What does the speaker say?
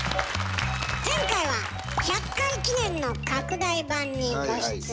前回は１００回記念の拡大版にご出演。